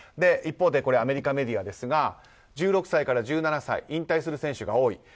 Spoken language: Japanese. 一方で、アメリカメディアですが１６歳から１７歳で引退する選手が多い。